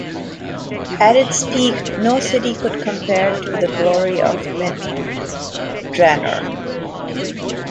At its peak, no city could compare to the glory of Myth Drannor.